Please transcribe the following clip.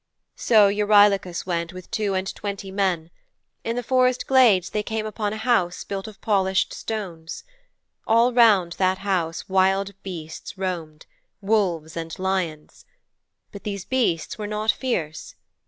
'So Eurylochus went with two and twenty men. In the forest glades they came upon a house built of polished stones. All round that house wild beasts roamed wolves and lions. But these beasts were not fierce.